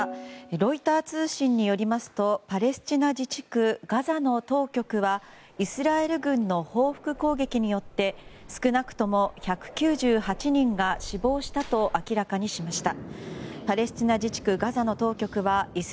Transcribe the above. ロイター通信によりますとパレスチナ自治区ガザの当局はイスラエル軍の報復攻撃によって少なくとも１９８人が死亡したと明らかにしました。